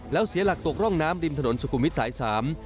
แล้วเสียหลักตกร่องน้ำริมถนนสุขุมวิทย์สายสาม